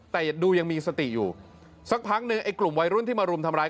แต่ดูยังมีสติอยู่สักพักหนึ่งไอ้กลุ่มวัยรุ่นที่มารุมทำร้าย